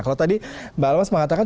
kalau tadi mbak almas mengatakan